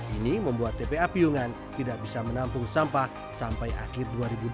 ini membuat tpa piyungan tidak bisa menampung sampah sampai akhir dua ribu dua puluh